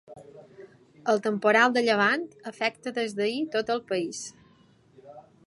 El temporal de llevant afecta des d’ahir tot el país.